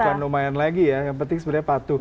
bukan lumayan lagi ya yang penting sebenarnya patuh